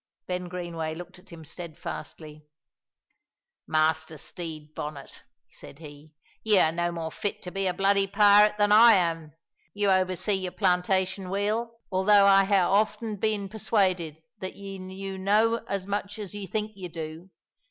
Ben Greenway looked at him steadfastly. "Master Stede Bonnet," said he, "ye are no more fit to be a bloody pirate than I am. Ye oversee your plantation weel, although I hae often been persuaded that ye knew no' as much as ye think ye do.